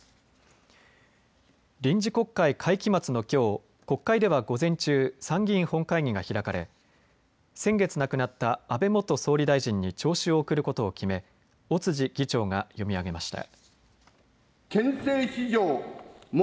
臨時国会会期末のきょう、国会では午前中、参議院本会議が開かれ先月亡くなった安倍元総理大臣に弔詞を贈ることを決め尾辻議長が読み上げました。